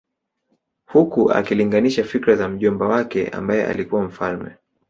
Huku akilinganisha fikra za mjomba wake ambaye alikuwa mfalme